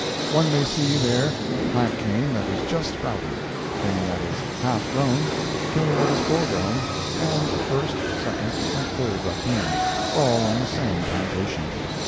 One may see there plant cane that is just sprouting, cane that is half grown, cane that is full grown, and first, second and third ratoons—all on the same plantation.